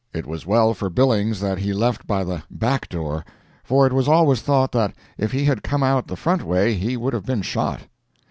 It was well for Billings that he left by the back door; for it was always thought that if he had come out the front way he would have been shot.